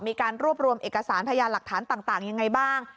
มีการรวบรวมเอกสารพยานหลักฐานต่างยังไงบ้าง